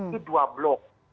di dua blok